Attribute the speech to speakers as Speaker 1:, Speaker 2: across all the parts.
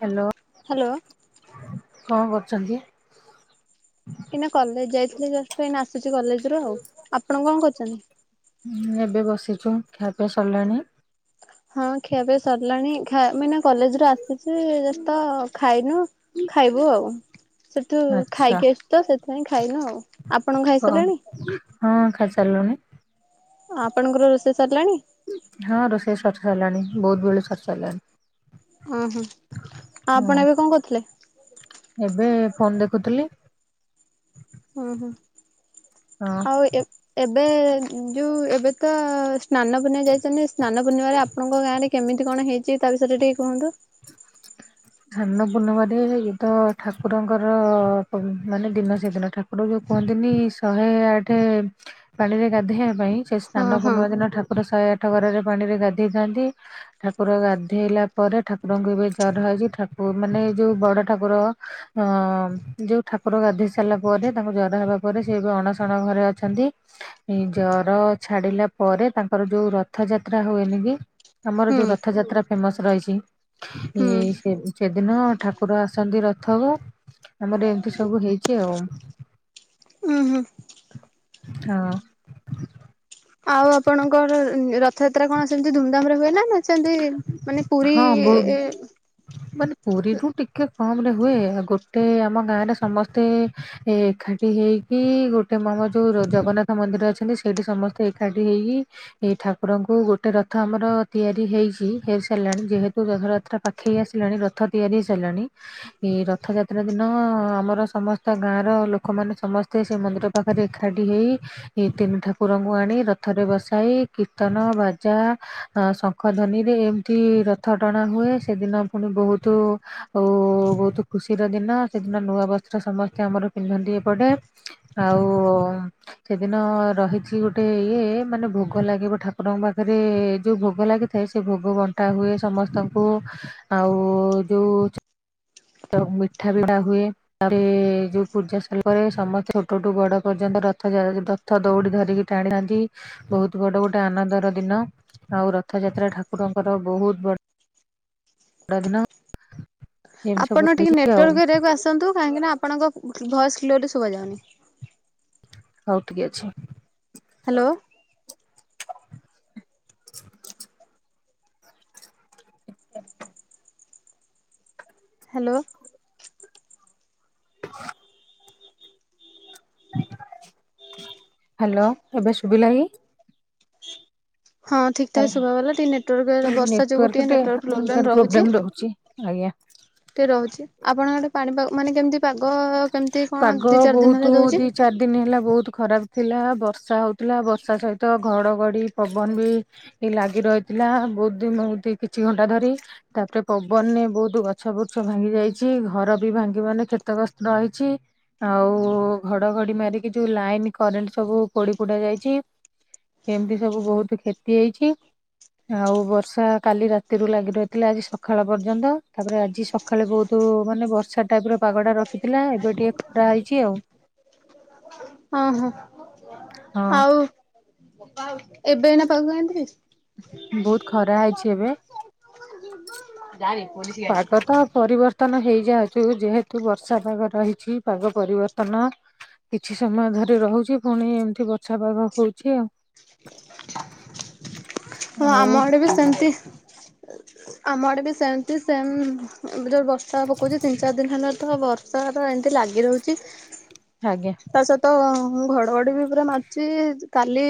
Speaker 1: Hello.
Speaker 2: Hello.
Speaker 1: କଣ କରୁଚନ୍ତି?
Speaker 2: ଏଇନା କଲେଜ୍ ଯାଇଥିଲି ଜଷ୍ଟ ଏଇନା ଆସିୁଚି କଲେଜ ରୁ ଆଉ ଆପଣ କଣ କହୁଚନ୍ତି?
Speaker 1: ହଁ ଏବେ ବସିଚୁ ଖିଆପିଆ ସରିଲାଣି?
Speaker 2: ହଁ ଖିଆ ପିଆ ସରିଲାଣି ଖା ମୁଁ ଏଇନା କଲେଜରୁ ଆ ସେଠି ବ୍ୟସ୍ତ ଖାଇନୁ ଖାଇବୁ ଆଉ ସେଠୁ ଖାଇକି ଆସି ତ ସେଥିପାଇଁ ଖାଇନୁ ଆଉ। ଆପଣ
Speaker 1: ହଁ
Speaker 2: ଖାଇସାରିଲେଣି?
Speaker 1: ହଁ ଖାଇସାରିଲୁଣି।
Speaker 2: ଆପଣଙ୍କର ରୋଷେଇ ସରିଲାଣି?
Speaker 1: ହଁ ରୋଷେଇ ସରି ସାରିଲାଣି ବୋହୁତ୍ ବେଳୁ ସରି ସାରିଲାଣି।
Speaker 2: ହଁ ହଁ
Speaker 1: ହଁ
Speaker 2: ଆପଣ ଏବେ କଣ କରୁଥିଲେ?
Speaker 1: ଏବେ ଫୋନ୍ ଦେଖୁଥିଲି।
Speaker 2: ହୁଁ ହୁଁ
Speaker 1: ହଁ
Speaker 2: ଆଉ ଏ ଏବେ ଯୋଉ ଏବେତ ସ୍ନାନ ପୂର୍ଣିମା ଯାଇଚନ୍ତି ସ୍ନାନ ପୂର୍ଣ୍ଣିମାରେ ଆପଣଙ୍କ ଗାଁ ରେ କେମିତି କଣ ହେଇଚି ତା ବିଷୟରେ ଟିକେ କୁହନ୍ତୁ?
Speaker 1: ସ୍ନାନ ପୂର୍ଣ୍ଣିମାରେ ଇଏତ ଠାକୁରଙ୍କର ପ ମାନେ ଦିନ ସେଦିନ ଠା କୁର ଯୋଉ କୁହନ୍ତିନି ଶହେ ଆଠ ପାଣିରେ ଗାଧେଇବା ପାଇଁ ସେ
Speaker 2: ହଁ
Speaker 1: ସ୍ନାନ
Speaker 2: ହଁ
Speaker 1: ପୂର୍ଣ୍ଣିମା ଦିନ ଠାକୁର ଶହେ ଆଠ ଗରାରେ ପାଣିରେ ଗାଧେଇଥାନ୍ତି। ଠାକୁର ଗାଧେଇଲା ପରେ ଠାକୁରଙ୍କୁ ଏବେ ଜର ହେଇଚି ଠାକୁ ମାନେ ଯୋଉ ବଡ ଠାକୁର। ହଁ ଯୋଉ ଠାକୁର ଗାଧେଇ ସାରିଲା ପରେ ତାଙ୍କୁ ଜର ହେବା ପରେ ସିଏ ଏବେ ଅଣସଣ ଘରେ ଅଛନ୍ତି। ଏ ଜର ଛାଡିଲା ପରେ ତାଙ୍କର ଯୋଉ ରଥଯାତ୍ରା ହୁଏନି କି? ଆମର
Speaker 2: ହୁଁ
Speaker 1: ଯୋଉ ରଥଯାତ୍ରା ଫେମସ୍ ରହିଚି
Speaker 2: ହୁଁ
Speaker 1: ଇଏ ସେଦିନ ଠାକୁର ଆସନ୍ତି ରଥକୁ ଆମର ଏମିତି ସବୁ ହେଇଚି ଆଉ।
Speaker 2: ହୁଁ।
Speaker 1: ହଁ।
Speaker 2: ଆଉ ଆପଣଙ୍କର ରଥଯାତ୍ରା କଣ ସେମିତି ଧୁମଧାମରେ ହୁଏ ନା ନା ସେନ୍ତି ମାନେ ପୁରୀ
Speaker 1: ହଁ ବହୁତ ମାନେ ପୁରୀରୁୁ ଟିକେ କମ୍ ରେ ହୁଏ, ଆ ଗୋଟେ ଆମ ଗାଁରେ ସମସ୍ତେ ଏଖା ପି ହେଇକି ଗୋଟେ ମମ ଯୋଉ ଜଗନ୍ନାଥ ମନ୍ଦିର ଅଛନ୍ତି, ସେଇଠି ସମସ୍ତେ ଏକାଠି ହେଇକି ଏଇ ଠାକୁରଙ୍କୁ ଗୋଟେ ରଥ ଆମର ତିଆରି ହେଇଚି ହେଇସାରିଲାଣି ଯେହେତୁ ରଥଯାତ୍ରା ପାଖେଇ ଆସିଲାଣି, ରଥ ତିଆରି ହେଇ ସାରିଲାଣି। ଏଇ ରଥଯାତ୍ରା ଦିନ ଆମର ସମସ୍ତ ଗାଁ ର ଲୋକମାନେ ସମସ୍ତେ ସେ ମନ୍ଦିର ରଥ ପାଖରେ ଏକାଠି ହେଇ ଏ ତିନି ଠାକୁରଙ୍କୁ ଆଣି ରଥରେ ବସାଇ କୀର୍ତ୍ତନ ବାଜା ହଁ ଶଙ୍ଖ ଧ୍ୱନିରେ ଏମିତି ରଥ ଟଣା ହୁଏ, ସେଦିନ ପୁଣି ବହୁତୁ ଆଉ ବହୁତୁ ଖୁସିର ଦିନ ସେଦିନ ନୂଆ ବସ୍ତ୍ର ସମସ୍ତେ ଆମର ପିନ୍ଧନ୍ତି ଏପଟେ, ଆଉ ସେଦିନ ରହିଛି ଗୋଟେ ଇଏ ମାନେ ଭୋଗ ଲାଗିବ ଠାକୁରଙ୍କ ପାଖେରେ ଯୋଉ ଭୋଗ ଲାଗିଥାଏ ସେ ଭୋଗ ବଣ୍ଟା ହୁଏ ସମସ୍ତଙ୍କୁ ଆଉ ଯୋଉ ମିଠା ବିଡ଼ା ହୁଏ। ତାରେ ଯୋଉ ପୂଜା ସରିଲା ପରେ ସମସ୍ତେ ଛୋଟଠୁ ବଡ ପର୍ଯ୍ୟନ୍ତ ରଥ ଯାତ ରଥ ଦୌଡି ଧରିକି ଟାଣିଥାନ୍ତି ବହୁତୁ ବଡ ଗୋଟେ ଆନନ୍ଦର ଦିନ। ଆଉ ରଥଯାତ୍ରା ଠାକୁରଙ୍କର ବହୁତୁ ବଡ ବଡ଼ ଦିନ। ଏମିତି ସବୁ
Speaker 2: ଆପଣ ଟିକେ
Speaker 1: ରହିଛି ଆଉ
Speaker 2: ନେଟୱାର୍କ ଏରିଆକୁ ଆସନ୍ତୁ କାହିଁକିନା ଆପଣଙ୍କ ଭଏସ୍ କ୍ଲୋଲି ଶୁଭାଯାଉନି।
Speaker 1: ହଉ ଠିକି ଅଛି।
Speaker 2: ହ୍ୟାଲୋ। ହ୍ୟାଲୋ।
Speaker 1: [inaudible] ହ୍ୟାଲୋ ଏବେ ସୁୁଭିଲା କି?
Speaker 2: ହଁ ଠିକ୍ ଠାକ୍ ଶୁଭାଗଲା ଟିକେ ନେଟୱାର୍କ ବର୍ଷା ଯୋଗୁ ଟିକେ ନେଟୱାର୍କ ପ୍ରୋବ୍ଲେମ୍
Speaker 1: ନେଟୱାର୍କଟୋର ପ୍ରୋବ୍ଲେମ୍ ରହୁଚି ଆଜ୍ଞା।
Speaker 2: ଟେ ରହୁଚି ଆପଣଙ୍କ ଆଡେ ପାଣିପାଗ ମାନେ କେମିତି? ପାଗ କେମିତି କଣ
Speaker 1: ପାଗ
Speaker 2: ଦି ଚାରି ଦିନ ହେଲା
Speaker 1: ବହୁତୁ
Speaker 2: ଦଉଛି?
Speaker 1: ଦି ଚାରି ଦିନ ହେଲା ବହୁତୁ ଖରାପ। ଥିଲା ବର୍ଷା ହେଉଥିଲା ବର୍ଷା ସହିତ ଘଡ଼ଘଡ଼ି ପବନ ବି ଲାଗି ରହିଥିଲା ବହୁ ଦିନ କିଛି ଘଣ୍ଟା ଧରି। ତାପରେ ପବନରେ ବହୁତୁ ଗଛ ବୁଛ ଭାଙ୍ଗି ଯାଇଚି ଘର ବି ଭାଙ୍ଗିବାନେ କ୍ଷେତଗ୍ରସ୍ତ ହେଇ ଚି। ଆଉ ଘଡଘଡି ମାରିକି ଯୋଉ ଲାଇନି କରେଣ୍ଟ ସବୁ ପୋଡି ପୋଡା ଯାଇଚି। ଏମିତି ସବୁ ବହୁତୁ କ୍ଷତି ହେଇଚି। ଆଉ ବର୍ଷା କାଲି ରାତିରୁ ଲାଗି ରହିଥିଲା ଆଜି ସକାଳ ପର୍ଯ୍ୟନ୍ତ ତାପରେ ଆଜି ସ ସକାଳୁ ବହୁତୁ ମାନେ ବର୍ଷା ଟାଇପି ର ପାଗ ଟା ରଖିଥିଲା ଏବେ ଏବେ ଟିକେ ଖରା ହେଇଚି ଆଉ।
Speaker 2: ହଁ ହଁ
Speaker 1: ହଁ।
Speaker 2: ଆଉ ଏବେ ଏଇନା ପାଗ କେମିତି ହେଇଚି?
Speaker 1: ବହୁତୁ ଖରା ହେଇଛି ଏବେ।
Speaker 2: ଯାଣି ପୋଲିସି ଗାଡି।
Speaker 1: ପତନ ହେଇଯାଉଚୁ ଯେହେତୁ ବର୍ଷା ପାଗ ରହିଛି ପାଗ ପରିବର୍ତ୍ତନ କିଛି ସମୟ ଧରି ରହୁଚି ପୁଣି ଏମିତି ବଛା ପଗ ହଉଛି ଆଉ।
Speaker 2: ହଁ ଆମ
Speaker 1: ହଉ
Speaker 2: ଆଡେ ବି ସେମିତି। ଆମ ଆଡେ ବି ସେମିତି ସେମେ ଯୋ ବସ୍ତା ପକୋଉଚି ତିନି ଚାରି ଦିନି ହେଲା ତ ବର୍ଷା ଏବେ ଏନ୍ତେ ଲାଗି ରହୁଚି
Speaker 1: ଆଜ୍ଞା
Speaker 2: ତା ସହିତ ମୁଁ ଘଡ଼ଘଡ଼ି ବି ପୁରା ମାରୁଚି କାଲି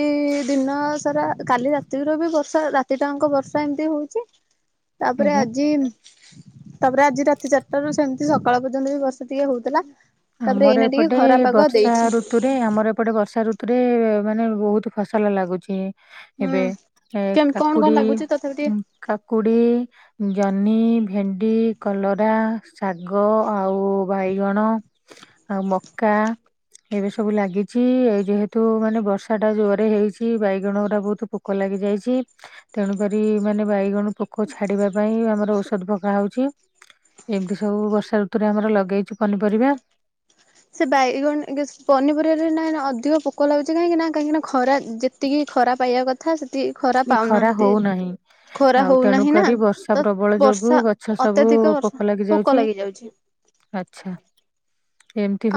Speaker 2: ଦିନ ସାରା କାଲି ରାତି ବିରୁ ବ ସା ରାତିଟା ଆଙ୍କ ବର୍ଷା ଏମିତି ହୋଉଚି ତାପରେ
Speaker 1: ଆଜ୍ଞା।
Speaker 2: ଆଜି ତାପରେ ଆଜି ରାତି ଚାରିଟାରୁ ସେମତି ସକାଳ ପର୍ଯ୍ୟନ୍ତ ବି ବର୍ଷା ଟିକେ ହୋଉଥୁଲା।
Speaker 1: ଆମର ଏପଟେ ବର୍ଷା ଋତୁ ରେ ଆମର ଏପଟେ ବର୍ଷା ଋତୁରେ ମାନେ ବୋହୁତ ଫସଲ ଲାଗୁଚି।
Speaker 2: ହୁଁ
Speaker 1: ଏବେ ଏ
Speaker 2: କେମ କଣ କଣ
Speaker 1: କାକୁଡ଼ି
Speaker 2: ଲାଗୁଛି ତଥାପି ଟିକେ
Speaker 1: ଉଁ କାକୁଡ଼ି ଜହ୍ନି, ଭେଣ୍ଡି, କଲରା, ଶାଗ ଆଉ ବାଇଗଣ। ଆଉ ମକା। ଏବେ ସବୁ ଲାଗିଛି ଏଇ ଯେହେତୁ ମାନେ ବର୍ଷାଟା ଜୋରେ ହେଇଛି ବାଇଗଣ ଉରା ବହୁତ ପୋ କ ଲାଗି ଯାଇଚି। ତେଣୁକରି ମାନେ ବାଇଗଣ ପୋକ ଛାଡ଼ିବା ପାଇଁ ଆମର ଔଷଧ ପକା ହଉଚି। ଏମିତି ସବୁ ବର୍ଷା ଋତୁରେ ଆମର ଲଗେଇଚୁ ପନିପରିବା।
Speaker 2: ସେ ବାଇଗଣ ଏଗିଛ୍ ପନିପରିବାରେ ନାହିଁ ନା ଅଧିକ ପୋକ ଲାଗୁଚି କାହିଁକି ନା କାହିଁକି ନା ଖରା ଯେ ତିକି ଖରା ପାଇବା କ
Speaker 1: ବି ଖରା ହୋଉନାହିଁ।
Speaker 2: ଖରା
Speaker 1: ଆଉ ତେଣୁ
Speaker 2: ହଉନାହିଁ ନା
Speaker 1: କରି ବର୍ଷା
Speaker 2: ତ
Speaker 1: ପ୍ରବଳ ଯୋଗୁ
Speaker 2: ବର୍ଷା
Speaker 1: ଗଛ ସବୁ
Speaker 2: ଅତ୍ୟଧିକ ବର୍ଷା
Speaker 1: ପୋକ ଲାଗି ଯାଉଛି। ଆଚ୍ଛା ‌।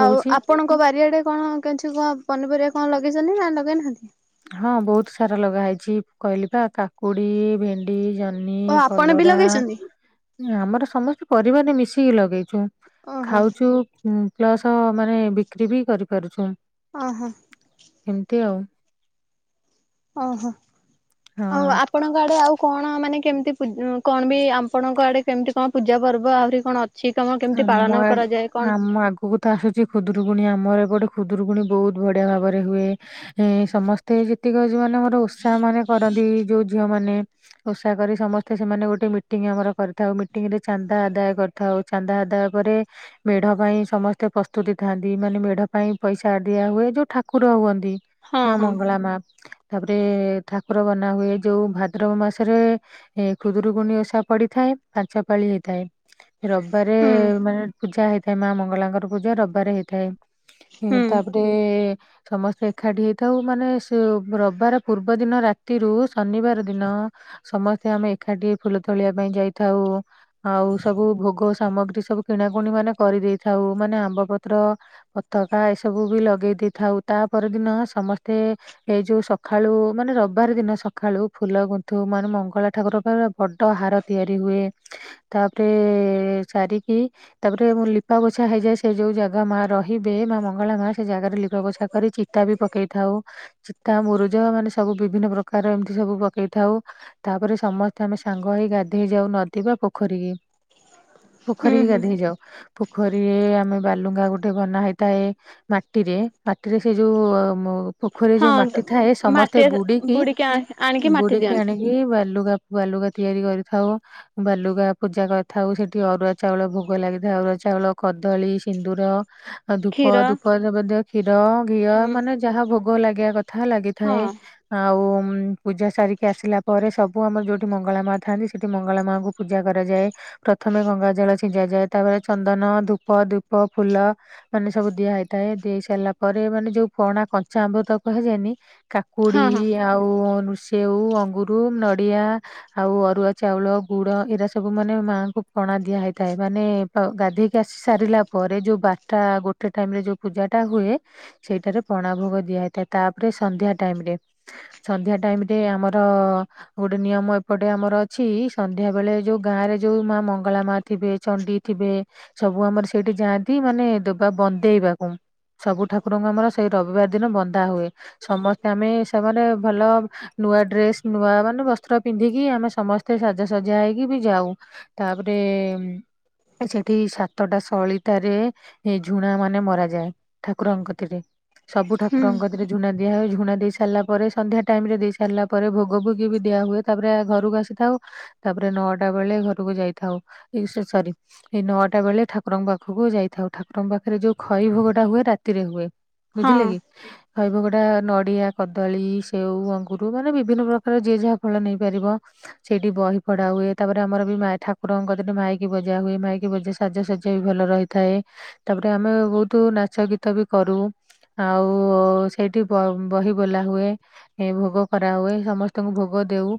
Speaker 2: ଆଉ ଆପଣଙ୍କ ବାରିଆଡେ କଣ କେଛି କଁ ପନିପରିବା କଁ ଲଗେଇଛନ୍ତି ନା ନଗେଇନାହାନ୍ତି?
Speaker 1: ହଁ ବହୁତ ସାରା ଲଗା ହେଇଛି କହିଲି ପା କାକୁଡି, ଭେ ଣ୍ଡି, ଜହ୍ନି,
Speaker 2: ଓ ଆପଣ ବି
Speaker 1: କଲରା
Speaker 2: ଲଗେଇଛନ୍ତି
Speaker 1: ଏଇଆମର ସମସ୍ତେ ପରିବାରରେ ମିଶିକି ଲଗେଇଚୁ
Speaker 2: ଓହୋ
Speaker 1: ଖାଉଚୁ ହୁଁ ପ୍ଲସ ମାନେ ବିକ୍ରି ବି କରିପାରୁଛୁଁ।
Speaker 2: ଅହ।
Speaker 1: ଏମତି ଆଉ।
Speaker 2: ଅହ
Speaker 1: ହଁ।
Speaker 2: ଆଓ ଆ ପଣଙ୍କ ଆଡ଼େ ଆଉ କଣ ମାନେ କେମିତି ପୁ କଣ ବି ଆପଣଙ୍କ ଆଡ଼େ କେମତି କଁ ପୂଜା ପର୍ବ ଆହୁରି କଣ ଅ ଛି ତମ କେମିତି ପାଳନ କରାଯାଏ କଣ?
Speaker 1: ବହୁତ ଆସୁଚି ଖୁଦୁରୁକୁୁଣୀ ଆମର ଏପଟେ ଖୁଦୁରୁକୁୁଣିୀ ବହୁତ ବଢିଆ ଭାବରେ ହୁଏ ଏଁ ସମସ୍ ତେ ଯେତିକି ଯୋଉମାନେ ଆମର ଓଷା ମାନେ କରନ୍ତି ଯୋଉ ଝିଅ ମାନେ ଓଷା କରି ସମସ୍ତେ ସେମାନେ ଗୋଟେ ମିଟିଂ ଆମର କରିଥାଉ ମିଟିଂରେ ଚାନ୍ଦା ଆଦାୟ କରିଥାଉ। ଚାନ୍ଦା ଆଦାୟ ପରେ ମେଢ଼ ପାଇଁ ସମସ୍ତେ ପ୍ରସ୍ତୁତି ଥାଆନ୍ତି ମାନେ ମେଢ଼ ପାଇଁ ପଇସା ଦିଆ ହୁଏ ଯୋଉ ଠାକୁର ହୁଅନ୍ତି।
Speaker 2: ହଁ
Speaker 1: ମା
Speaker 2: ହଁ
Speaker 1: ମଙ୍ଗଳା ମା ତାପରେ ଠାକୁର ବନା ହୁଏ ଯୋଉ ଭାଦ୍ରବ ମାସରେ ଏ ଖୁଦୁରୁକୁୁଣି ଓଷା ପଡ଼ିଥାଏ ପାଞ୍ଚ ପାଳି ହେଇଥାଏ। ରବାରେ
Speaker 2: ହୁଁ
Speaker 1: ମାନେ ପୂଜା ହେଇଥାଏ ମା ମଙ୍ଗଳାଙ୍କର ପୂଜା ରବାରେ ହେଇଥାଏ। ଏ ହେଁ
Speaker 2: ହୁଁ।
Speaker 1: ତାପରେ ସମସ୍ତେ ଏଖାଠି ହେଇଥାଉ ମାନେ ସେ ରବାରେ ପୂର୍ବ ଦିନ ରାତିରୁ ଶନିବାର ଦିନ ସମସ୍ତେ ଆମେ ଏଖାଠି ଫୁଲ ତୋଳିବା ପାଇଁ ଯାଇଥାଉ ଆଉ ସବୁ ଭୋ ଗ ସାମଗ୍ରୀ ସବୁ କିଣାକୁଣି ମାନେ କରିଦେଇଥାଉ ମାନେ ଆମ୍ବ ପତ୍ର ପତାକା ଏସବୁ ବି ଲଗେଇ ଦେଇଥାଉ ତା ପର ଦିନ ସମସ୍ତେ ଏଇ ଯୋଉ ସଖାଳୁ ମାନେ ରବାର ଦିନ ସଖାଳୁ ଫୁଲ ଗୁନ୍ଥିବୁ ମାନେ ମଙ୍ଗଳା ଠାକୁର କଇବେ ବଡ଼ ହାର ତିଆରି ହୁଏ ତାପରେ ଏ ସାରିକି ତାପରେ ମୁଁ ଲିପା ପୋଛା ହେଇଯାଏ ସେ ଯୋଉ ଜାଗା ମା ର ହିବେ ମା ମଙ୍ଗଳା ମା ସେ ଜାଗାରେ ଲିପା ପୋଛା କରି ଚିତା ବି ପକେଇ ଥାଉ। ଚିତା, ମୁରୁଜ ମାନେ ସବୁ ବିଭିନ୍ନ ପ୍ରକାର ଏମିତି ସବୁ ପକେଇଥାଉ। ତାପରେ ସମସ୍ତେ ଆମେ ସାଙ୍ଗ ହେଇ ଗାଧେଇ ଯାଉ ନଦୀ ବା ପୋଖରୀ କି।
Speaker 2: ହୁଁ
Speaker 1: ପୋଖରୀ କି
Speaker 2: ହୁଁ
Speaker 1: ଗାଧେଇ ଯାଉ। ପୋଖରୀ ଆମେ ବାଲୁକା ଗୋଟେ ବନା ହେଇଥାଏ ମାଟିରେ ମାଟିରେ ସେ ଯୋଉ ପୋଖରୀରେ ଯୋଉ
Speaker 2: ହଁ
Speaker 1: ମାଟି ଥାଏ ସମସ୍ତେ
Speaker 2: ମାଟି
Speaker 1: ବୁଡିକି
Speaker 2: ଆଣିକି ମାଟି
Speaker 1: ବୁଡିକି
Speaker 2: ଦିଅନ୍ତି।
Speaker 1: ଆଣି କି ବାଲୁକା ବାଲୁକା ତିଆରି କରିଥାଉ ବାଲୁକା ପୂଜା କରିଥାଉ ସେଠି ଠି ଅରୁଆ ଚାଉଳ ଭୋଗ ଲାଗିଥାଏ ଅରୁଆ ଚାଉଳ, କଦଳୀ, ସିନ୍ଦୁର ଆଉ ଧୂପ,
Speaker 2: କ୍ଷୀର
Speaker 1: ଧୂପ ଏସବୁ ଦେଇ କ୍ଷୀର, ଘିଅ
Speaker 2: ହୁଁ
Speaker 1: ମାନେ ଯାହା ଭୋଗ ଲାଗିବା କଥା ଲାଗି
Speaker 2: ହଁ
Speaker 1: ଥାଏ। ଆଉ ପୂଜା ସାରିକି ଆସିଲା ପରେ ସବୁ ଆମର ଯୋଉଠି ମଙ୍ଗଳା ମା ଥାଆନ୍ତି ସେଠି ମଙ୍ଗଳା ମା ଙ୍କୁ ପୂଜା କରାଯାଏ ପ୍ରଥମେ ଗଙ୍ଗା ଜଳ ଛିଞ୍ଚା ଯାଏ ତାପରେ ଚନ୍ଦନ, ଧୂପ, ଦୀପ, ଫୁଲ ମାନେ ସବୁ ଦିଆହଇଥାଏ ଦେଇ ସାରିଲା ପରେ ମାନେ ଯୋଉ ପଣା ପଞ୍ଚାମ୍ବୃତ କୁହାଯାଏନି କା
Speaker 2: ହଁ
Speaker 1: କୁଡି
Speaker 2: ହଁ
Speaker 1: ଆଉ ସେଉ, ଅଙ୍ଗୁରୁ, ନଡ଼ିଆ ଆଉ ଅରୁଆ ଚାଉଳ, ଗୁଡ଼, ଏଇରା ସବୁ ମାନେ ମାଆଙ୍କୁ ପଣା ଦିଆ ହେଇଥାଏ ମାନେ ଗାଧେଇକି ଆସି ସାରିଲା ପରେ ଯୋଉ ବାରଟା ଗୋଟେ ଟେ ଟାଇମ ରେ ଯୋଉ ପୂଜା ଟା ହୁଏ ସେଇଟାରେ ପଣା ଭୋଗ ଦିଆହେଇଥାଏ ତାପରେ ସନ୍ଧ୍ୟା ଟାଇମ ରେ ସନ୍ଧ୍ୟା ଟାଇମ ରେ ଆମର ଗୋଟେ ନିୟମ ଏପଟେ ଆମର ଅଛି ସନ୍ଧ୍ୟା ବେଳେ ଯୋଉ ଗାଁ ରେ ଯୋଉ ମା ମଙ୍ଗ ମଙ୍ଗଳା ମା ଥିବେ, ଚଣ୍ଡି ଥିବେ ସବୁ ଆମର ସେଇଠି ଯାଆନ୍ତି ମାନେ ଦବା ବନ୍ଦେଇବାକୁ। ସବୁ ଠାକୁରଙ୍କୁ ଆମର ସେଇ ରବିବାର ଦିନ ବନ୍ଧା ହୁଏ ସମସ୍ତେ ଆମେ ସେମାନେ ଭଲ‌ ନୂଆ ଡ୍ରେସ ନୂଆ ମାନେ ବସ୍ତ୍ର ପିନ୍ଧିକି ଆମେ ସମସ୍ତେ ସାଜସଜ୍ୟା ହେଇକି ବି ଯାଉ। ତାପରେ ସେଠି ସାତଟା ସଳିିତାରେ ଏଇ ଝୁଣା ମାନେ ମରାଯାଏ ଠାକୁରଙ୍କ କତିରେ। ସବୁ
Speaker 2: ହୁଁ
Speaker 1: ଠାକୁରଙ୍କ କତୀରେ ଝୁଣା ଦିଆ ହୁଏ ଝୁଣା ଦେଇ ସାରିଲା ପରେ ସନ୍ଧ୍ୟା ଟାଇମିରେ ଦେଇ ସାରିଲା ପରେ ଭୋଗ ଭୋଗି ବି ଦିଆ ହୁଏ ତାପରେ ଘରକୁ ଆସିଥାଉ। ତାପରେ ନଅଟା ବେଳେ ଘରକୁ ଯାଇଥାଉ, ଇ ସେ ସରି। ଏଇ ନଅଟା ବେଳେ ଠାକୁରଙ୍କ ପାଖକୁ ଯାଇଥାଉ ଠାକୁରଙ୍କ ପାଖରେ ଯୋଉ ଖଇ ଭୋଗଟା ହୁଏ ରାତିରେ ହୁଏ। ବୁଝିଲେ
Speaker 2: ହଁ
Speaker 1: କି। କହି ଭୋଗ ଟା ନଡିଆ କଦଳୀ ସେଉ ଅଙ୍ଗୁର ମାନେ ବିଭିନ୍ନ ପ୍ରକାର ଯିଏ ଯାହା ଫଳ ନେଇପାରିବ ସେଇଠି ବହି ପଢା ହୁଏ, ତାପରେ ଆମର ବି ମାଏ ଠାକ୍ ଠାକୁରଙ୍କ କତିରେ ମାଇକି ବଜା ହୁଏ ମାଇକି ବଜା ସାଜସଜି ବି ଭଲ ରହିଥାଏ। ତାପରେ ଆମେ ବହୁତ ନାଚ ଗୀତ ବି କରୁ। ଆଉ ସେଇଠି ବ ବହି ବୋଲା ହୁଏ। ଏ ଭୋଗ କରାହୁୁଏ ସମସ୍ତଙ୍କୁ ଭୋଗ ଦେଉ।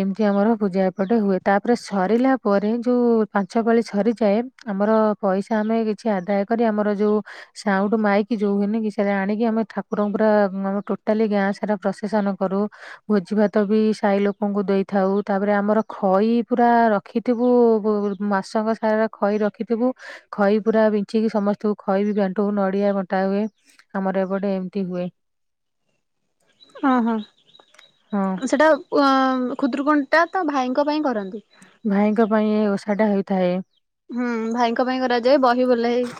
Speaker 1: ଏମିତି ଆମର ପୂଜା ଏପଟେ ହୁଏ, ତାପରେ ସରିଲା ପରେ ଯୋଉ ପାଞ୍ଚ ପାଳି ସରିଯାଏ, ଆମର ପଇସା ଆମେ କିଛି ଆଦାୟ କରି ଆମର ଯୋଉ ସାଉଁଟୁ ମାଇକି ଯୋଉ ହେନି କି ସେଟା ଆଣିକି ଆମେ ଠାକୁରଙ୍କୁ ପୁରା ଆମ ଟୋଟାଲି ଗାଁ ସାରା ପ୍ରଶେସନ କରୁ। ଭୋଜି ଭାତ ବି ସାହି ଲୋକଙ୍କୁ ଦେଇଥାଉ, ତାପରେ ଆମର ଖଇ ପୁରା ର ରଖିଥିବୁ ମାସଙ୍କ ସାରା ଖଇ ରଖିଥିବୁ। ଖଇ ପୁରା ବିଞ୍ଚିକି ସମସ୍ତଙ୍କୁ ଖଇ ବି ବାଣ୍ଟୁ ନଡିଆ ବଣ୍ଟା ହୁଏ। ଆମର ଏପଟେ ଏମିତି ହୁଏ।
Speaker 2: [inaudible] ହଁ ହଁ,
Speaker 1: ହଁ
Speaker 2: ସେଇଟା ଖୁଦୁରୁକୁଣିଟା ତ ଭାଇଙ୍କ ପାଇଁ କରନ୍ତି।
Speaker 1: ଭାଇଙ୍କ ପାଇଁ ଏ ଓଷା ଟା ହୋଇଥାଏ।
Speaker 2: ହୁଁ ଭାଇଙ୍କ ପାଇଁ କରାଯାଏ। ବହି ବୋଲା ହେଇ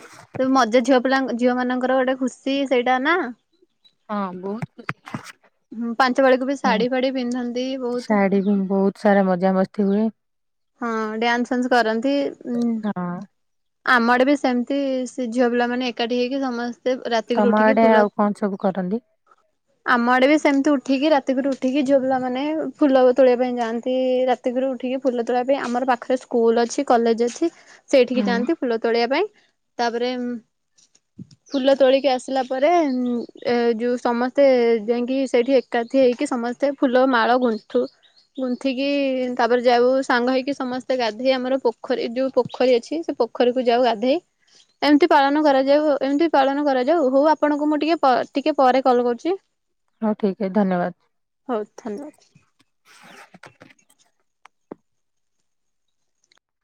Speaker 2: ତ ମଜା ଝିଅ ପିଲାଙ୍କ, ଝିଅ ମାନଙ୍କର ଗୋଟେ ଖୁସି ସେଇଟା ନା।
Speaker 1: ହଁ ବହୁତ୍ ଖୁସି।
Speaker 2: ହୁଁ ପାଞ୍ଚ ପାଳି କୁ ବି ଶାଢ଼ି ଫାଢି ପିନ୍ଧନ୍ତି ବହୁତ
Speaker 1: [unintelligible] ବହୁତ ବୋହୁତ ସାରା ମଜାମସ୍ତି ହୁଏ।
Speaker 2: ହଁ ଡ୍ୟାନ୍ସ ଫ୍ୟାନସ୍ କରନ୍ତି, ଉଁ
Speaker 1: ହଁ
Speaker 2: ଆମ ଆଡେ ବି ସେମିତି ସେ ଝିଅ ପିଲାମାନେ ଏକାଠି ହେଇକି ସମସ୍ ସେ ରାତିକୁ
Speaker 1: ତମ
Speaker 2: ରୁ ଉଠିକି
Speaker 1: ଆଡେ
Speaker 2: ଫୁଲ
Speaker 1: ଆଉ କଣ ସବୁ କରନ୍ତି?
Speaker 2: ଆମ ଆଡେ ବି ସେମିତି ଉଠିକି ରାତିକରୁ ଉଠିକି ଯୋଉ ପିଲା ମାନେ ଫୁଲ ତୋଳିବା ପାଇଁ ଯାଆନ୍ତି। ରାତ୍ ରାତିକରୁ ଉଠିକି ଫୁଲ ତୋଳିବା ପାଇଁ ଆମର ପାଖରେ ସ୍କୁଲ ଅଛି, କଲେଜ ଅଛି, ସେଇଠିକି
Speaker 1: ହୁଁ।
Speaker 2: ଯାଆନ୍ତି। ଫୁଲ ତୋଳିବା ପାଇଁ, ତାପରେ ଫୁଲ ତୋଳିକି ଆସିଲା ପରେ ଏ ଯୋଉ ସମସ୍ତେ ଯାଇକି ସେଇଠି ଏକା ଏକାଠି ହେଇକି ସମସ୍ତେ ଫୁଲ ମାଳ ଗୁନ୍ଥୁ ଗୁନ୍ଥିକି ତାପରେ ଯାଉ ସାଙ୍ଗ ହେଇକି ସମସ୍ତେ ଗାଧେଇ ଆମର ପୋଖରୀ ଯୋଉ ପୋଖରୀ ଅଛି, ସେ ପୋଖରୀକୁ ଯାଉ ଗାଧ ଏମିତି ପାଳନ କରାଯାଉ ଏମିତି ପାଳନ କରାଯାଉ, ହଉ ଆପଣଙ୍କୁ ମୁଁ ଟିକେ ଟିକେ ପରେ କଲ୍ କରୁଚି। [unintelligible]
Speaker 1: ହଉ ଠିକ୍ ଏ ଧନ୍ୟବାଦ୍।
Speaker 2: ହଉ ଥାନେ।